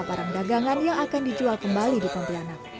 barang dagangan yang akan dijual kembali di pontianak